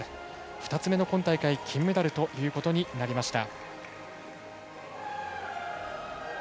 ２つ目の今大会金メダルということになりました。